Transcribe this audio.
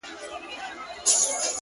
• راښكاره سوې سرې لمبې ياغي اورونه,